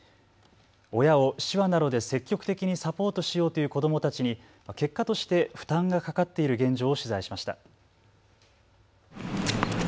親を手話などで積極的にサポートしようという子どもたちに結果として負担がかかっている現状を取材しました。